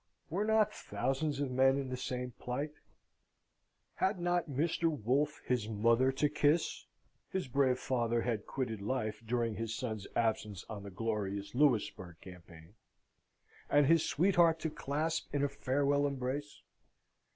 Were not thousands of men in the same plight? Had not Mr. Wolfe his mother to kiss (his brave father had quitted life during his son's absence on the glorious Louisbourg campaign), and his sweetheart to clasp in a farewell embrace?